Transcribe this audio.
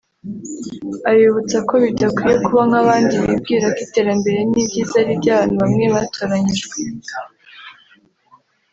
Abibutsa ko badakwiye kuba nk’abandi bibwira ko iterambere n’ibyiza ari iby’abantu bamwe batoranyijwe